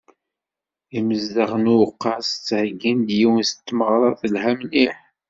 Imezdaɣ n uqqas ttheyyin yiwen n tmeɣṛa telha mliḥ.